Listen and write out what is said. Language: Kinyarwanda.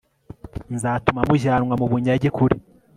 nzatuma mujyanwa mu bunyage kure